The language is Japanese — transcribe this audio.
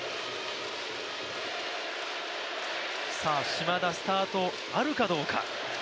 島田、スタートあるかどうか。